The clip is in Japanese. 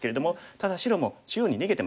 ただ白も中央に逃げてますのでね